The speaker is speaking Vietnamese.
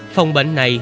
phòng bệnh này